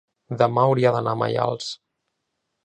demà hauria d'anar a Maials.